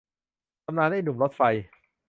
ตำนานไอ้หนุ่มรถไฟ